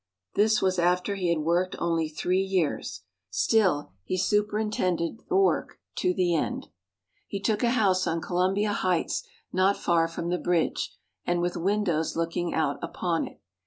This was after he had worked only three years. Still he superintended the work to the end. CENTRAL PARK. 75 He took a house on Columbia Heights, not far from the bridge, and with windows looking out upon it.